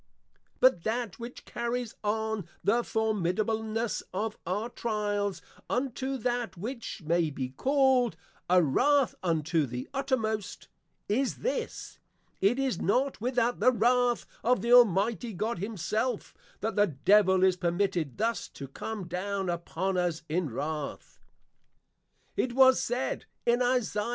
But that which carries on the formidableness of our Trials, unto that which may be called, A wrath unto the uttermost, is this: It is not without the wrath of the Almighty God himself, that the Devil is permitted thus to come down upon us in wrath. It was said, in _Isa.